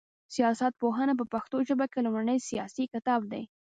سياست پوهنه په پښتو ژبه کي لومړنی سياسي کتاب دی